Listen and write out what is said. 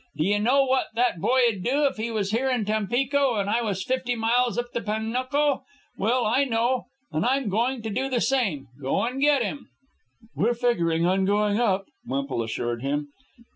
D'ye know what that boy'd do, if he was here in Tampico and I was fifty miles up the Panuco? Well, I know. And I'm going to do the same go and get him." "We're figuring on going up," Wemple assured him.